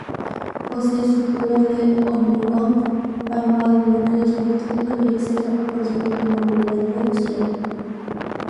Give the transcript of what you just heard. Posee estructura de hormigón armado, bloqueos electrónicos y acceso a personas de movilidad reducida.